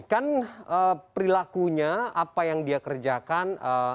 kan perilakunya apa yang dia kerjakan